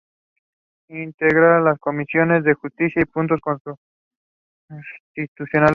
Integrante de las comisiones de Justicia; y, Puntos Constitucionales.